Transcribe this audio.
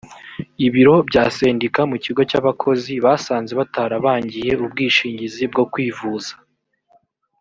ibiro bya sendika mu kigo cya bakozi basanze batarabangiye ubwishingizi bwo kwivuza